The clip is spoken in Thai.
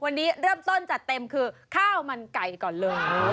วันนี้เริ่มต้นจัดเต็มคือ